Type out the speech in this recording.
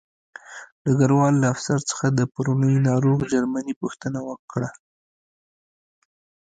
ډګروال له افسر څخه د پرونۍ ناروغ جرمني پوښتنه وکړه